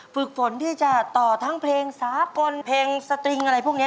ฝึกฝนที่จะต่อทั้งเพลงสากลเพลงสตริงอะไรพวกนี้